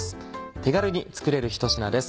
手軽に作れる一品です。